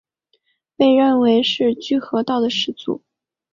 被认为是居合道的始祖。